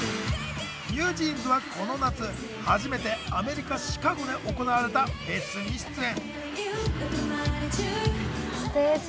ＮｅｗＪｅａｎｓはこの夏初めてアメリカ・シカゴで行われたフェスに出演。